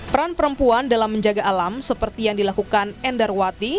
peran perempuan dalam menjaga alam seperti yang dilakukan endarwati